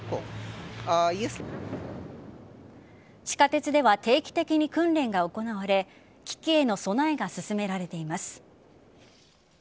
地下鉄では定期的に訓練が行われ危機への備えが進められています。